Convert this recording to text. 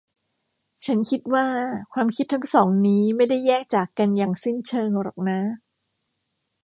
ฉันคิดว่าความคิดทั้งสองนี้ไม่ได้แยกจากกันอย่างสิ้นเชิงหรอกนะ